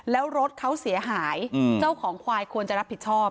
แล้วรถเขาเสียหายเจ้าของควายควรจะรับผิดชอบ